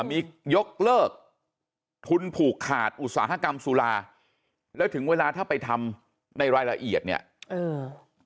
มียกเลิกทุนผูกขาดอุตสาหกรรมสุราแล้วถึงเวลาถ้าไปทำในรายละเอียดเนี่ยเออ